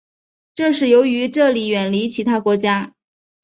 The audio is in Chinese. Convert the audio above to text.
这是由于这里远离其他国家。